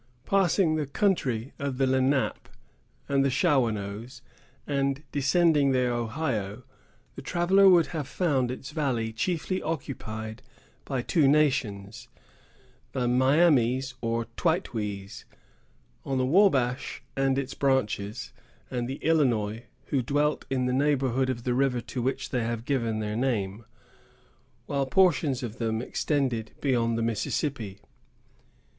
Passing the country of the Lenape and the Shawanoes, and descending the Ohio, the traveller would have found its valley chiefly occupied by two nations, the Miamis or Twightwees, on the Wabash and its branches, and the Illinois, who dwelt in the neighborhood of the river to which they have given their name, while portions of them extended beyond the Mississippi.